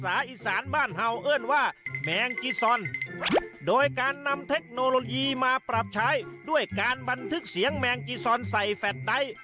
อีสานบ้านเฮาวเอิ้นว่าแมงจีซอนโดยการนำเทคโนโลยีมาปรับใช้ด้วยการบันทึกเสียงแมงจีซอนใส่แฟดไดท์